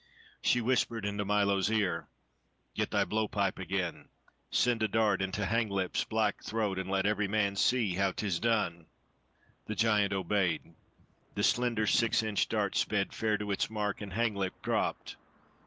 She whispered into Milo's ear. "Get thy blow pipe again. Send a dart into Hanglip's black throat, and let every man see how 'tis done." The giant obeyed. The slender, six inch dart sped fair to its mark, and Hanglip dropped.